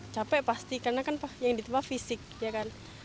capek pasti karena kan yang diterima fisik ya kan